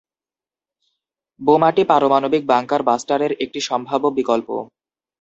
বোমাটি পারমাণবিক বাঙ্কার বাস্টারের একটি সম্ভাব্য বিকল্প।